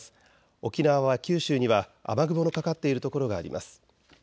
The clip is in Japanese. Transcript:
沖縄や九州には雨雲のかかっている所があります。